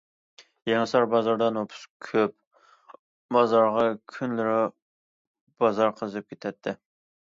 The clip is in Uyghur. يېڭىسار بازىرىدا نوپۇس كۆپ، بازار كۈنلىرى بازار قىزىپ كېتەتتى.